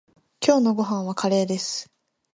今日のご飯はカレーです。